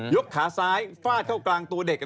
ยกขาซ้ายฟาดเข้ากลางตัวเด็กนะครับ